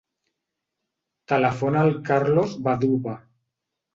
Telefona al Carlos Vaduva.